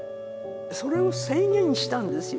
それを宣言したんですよ